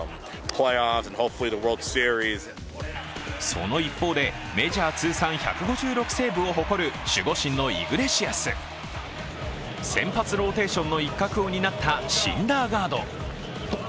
その一方で、メジャー通算１５６セーブを誇る守護神のイグレシアス、先発ローテーションの一角を担ったシンダーガード。